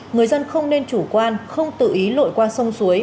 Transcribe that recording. người dân không nên chủ quan không tự ý lội qua sông suối